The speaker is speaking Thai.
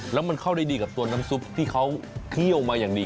แล้วมันเข้าได้ดีกับตัวน้ำซุปที่เขาเคี่ยวมาอย่างดี